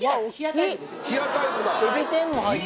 冷やタイプです